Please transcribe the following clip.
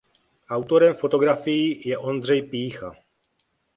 Autorem fotografií je Ondřej Pýcha.